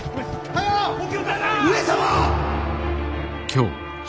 上様！